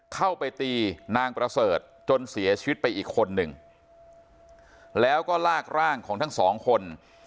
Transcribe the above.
เข้าไปตีนางประเสริฐจนเสียชีวิตไปอีกคนหนึ่งแล้วก็ลากร่างของทั้งสองคน